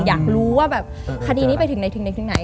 อยากรู้ว่าแบบคดีนี้ไปถึงไหนถึงไหนถึงไหน